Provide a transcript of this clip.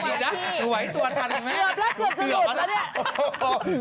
เกือบแล้วก็จะหลุดแล้วเนี่ย